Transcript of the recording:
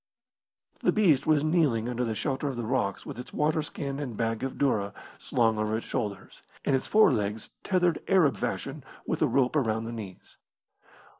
The beast was kneeling under the shelter of the rocks with its waterskin and bag of doora slung over its shoulders, and its forelegs tethered Arab fashion with a rope around the knees.